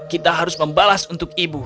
kita harus membalas untuk ibu